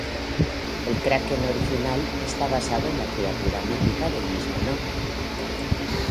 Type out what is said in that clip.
El Kraken original está basado en la criatura mítica del mismo nombre.